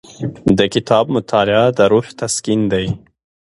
د کتاب مطالعه د روح تسکین دی.